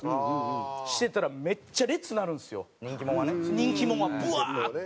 人気もんはブワーッて。